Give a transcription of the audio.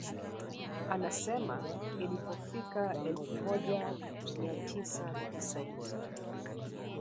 Anasema ilipofika elfu moja mia tisa tisini